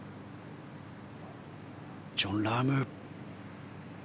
ジョン・ラーム。